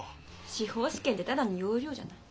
司法試験ってただの要領じゃない。